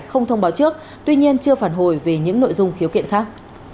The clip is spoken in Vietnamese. không thông báo trước tuy nhiên chưa phản hồi về những nội dung khiếu kiện khác